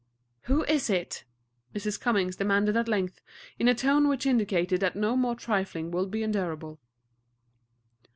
"Who is it?" Mrs. Cummings demanded at length, in a tone which indicated that no more trifling would be endurable.